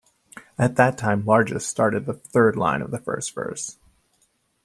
At that time "largest" started the third line of the first verse.